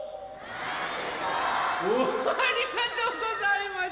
ありがとうございます！